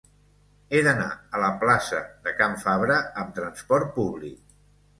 He d'anar a la plaça de Can Fabra amb trasport públic.